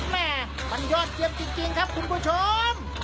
แม่มันยอดเยี่ยมจริงครับคุณผู้ชม